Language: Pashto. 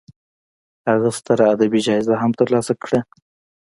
هغه ستره ادبي جایزه هم تر لاسه کړه.